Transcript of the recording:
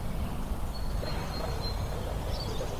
আমি জানি এসব ছোটখাটো সমস্যা মোকাবিলা করেই আমাকে কাজ করে যেতে হবে।